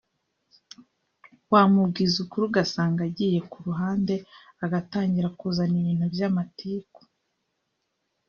wamubwiza ukuri ugasanga agiye ku ruhande agatangira kuzana ibintu by’amatiku